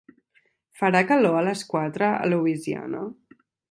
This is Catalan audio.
Farà calor a les quatre a Louisiana?